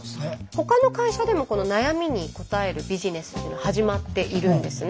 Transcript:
他の会社でもこの悩みに応えるビジネスというのは始まっているんですね。